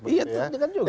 iya kan juga